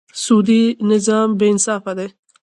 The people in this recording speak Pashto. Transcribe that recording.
سودي نظام بېانصافه دی.